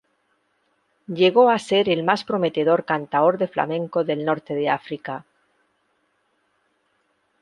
Llegó a ser el más prometedor cantaor de flamenco del norte de África.